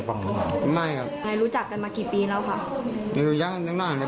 เพราะว่ามันมาเกิดเหตุตอนมาอยู่บ้านเราอะไรอย่างนี้